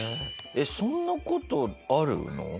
えっそんな事あるの？